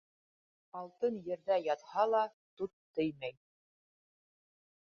Алтын ерҙә ятһа ла, тут теймәй